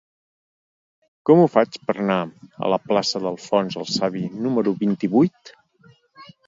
Com ho faig per anar a la plaça d'Alfons el Savi número vint-i-vuit?